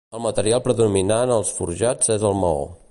El material predominant als forjats és el maó.